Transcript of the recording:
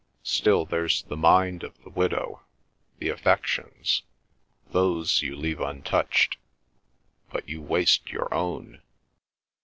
Still, there's the mind of the widow—the affections; those you leave untouched. But you waste you own."